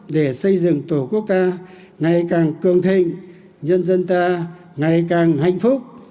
để xây dựng tổ quốc ta ngày càng cường thịnh nhân dân ta ngày càng hạnh phúc